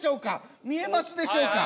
見えますでしょうか？